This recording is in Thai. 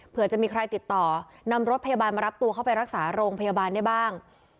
เพื่อจะมีใครติดต่อนำรถพยาบาลมารับตัวเข้าไปรักษาโรงพยาบาลได้บ้าง